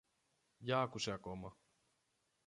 Για άκουσε ακόμα.